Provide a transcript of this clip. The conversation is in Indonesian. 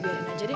biarin aja deh